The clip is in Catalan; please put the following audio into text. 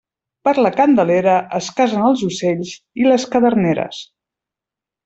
Per la Candelera es casen els ocells i les caderneres.